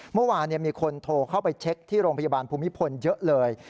เมื่อวานมีคนโทรเข้าไปเช็คที่โรงพยาบาลภูมิพลเยอะเลย